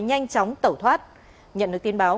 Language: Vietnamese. nhanh chóng tẩu thoát nhận được tin báo